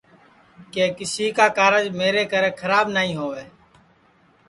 کہ کیسی کا کارج میری کرے کھراب نائی ہؤے